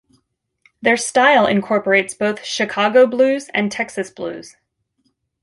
Their style incorporates both Chicago blues and Texas blues.